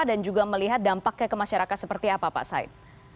dan juga melihat dampaknya kemasyarakat seperti apa pak said